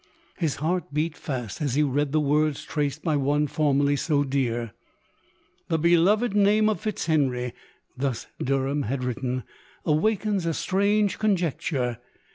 His heart beat fast as he read the words traced by one formerly so dear. " The beloved name of Fitzhenry "— thus Derham had written — "awakens a strange conjecture.